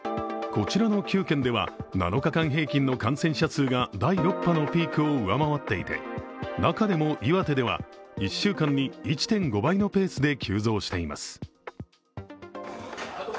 こちらの９県では、７日間平均の感染者数が第６波のピークを上回っていて中でも岩手では１週間に１．５倍のペースで急増しています。